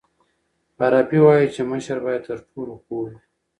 فارابي وایي چي مشر باید تر ټولو پوه وي.